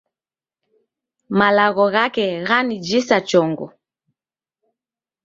Malagho ghake ghanijisa chongo